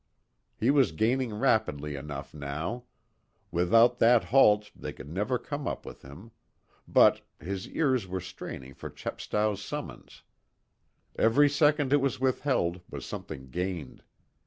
He was gaining rapidly enough now. Without that halt they could never come up with him. But his ears were straining for Chepstow's summons. Every second it was withheld was something gained.